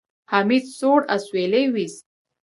حميد سوړ اسويلی وېست.